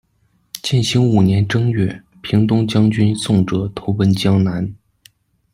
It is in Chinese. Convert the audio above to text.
建兴五年正月，平东将军宋哲投奔江南。